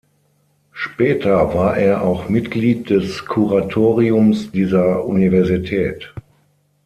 Später war er auch Mitglied des Kuratoriums dieser Universität.